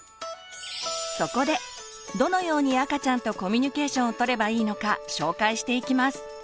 そこでどのように赤ちゃんとコミュニケーションをとればいいのか紹介していきます。